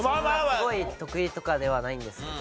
すごい得意とかではないんですけど。